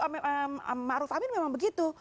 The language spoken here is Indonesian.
amin arief amin memang begitu